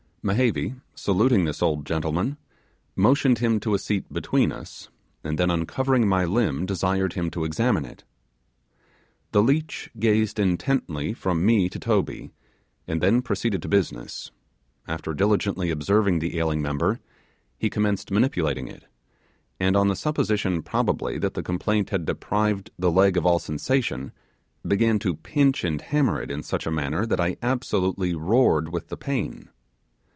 Mehevi, saluting this old gentleman, motioned him to a seat between us, and then uncovering my limb, desired him to examine it. The leech gazed intently from me to Toby, and then proceeded to business. After diligently observing the ailing member, he commenced manipulating it; and on the supposition probably that the complaint had deprived the leg of all sensation, began to pinch and hammer it in such a manner that I absolutely roared with pain.